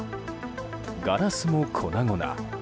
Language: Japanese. ガラスも粉々。